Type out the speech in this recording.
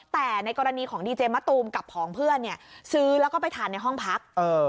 แต่ในกรณีของดีเจมะตูมกับผองเพื่อนซื้อแล้วก็ไปทานในห้องพัก